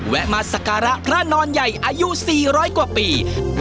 แวะมาสักการะพระนอนใหญ่อายุสี่ร้อยกว่าปี